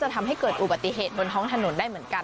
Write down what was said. ทำให้เกิดอุบัติเหตุบนท้องถนนได้เหมือนกัน